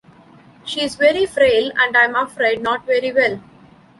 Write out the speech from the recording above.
She is very frail and I'm afraid not very well.